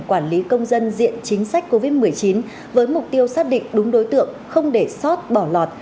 quản lý công dân diện chính sách covid một mươi chín với mục tiêu xác định đúng đối tượng không để sót bỏ lọt